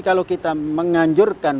kalau kita menganjurkan